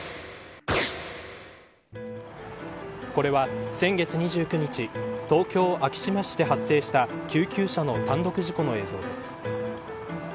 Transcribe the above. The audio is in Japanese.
これは先月２９日東京、昭島市で発生した救急車の単独事故の映像です。